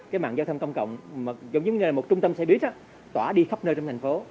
cái mạng giao thông công cộng giống như là một trung tâm xe buýt tỏa đi khắp nơi trong thành phố